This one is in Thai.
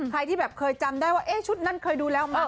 ใครที่แบบเคยจำได้ว่าชุดนั้นเคยดูแล้วไหม